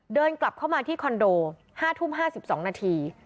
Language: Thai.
เดินกลับเข้ามาที่คอนโด๕ทุ่ม๕๒นาที